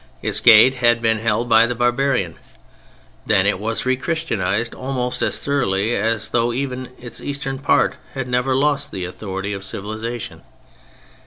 Its gate had been held by the barbarian. Then it was re Christianized almost as thoroughly as though even its Eastern part had never lost the authority of civilization.